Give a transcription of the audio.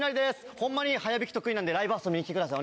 ホンマに早弾き得意なんでライブ遊びに来てください